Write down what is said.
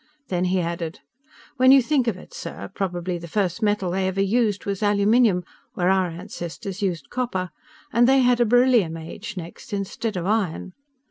Then he added, "When you think of it, sir, probably the first metal they ever used was aluminum where our ancestors used copper and they had a beryllium age next, instead of iron.